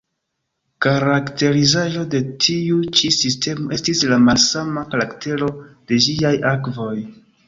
Karakterizaĵo de tiu ĉi sistemo estis la malsama karaktero de ĝiaj akvoj.